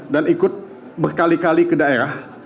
ikut berkali kali ke daerah